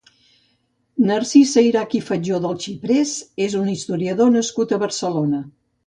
Narcís Sayrach i Fatjó dels Xiprers és un historiador nascut a Barcelona.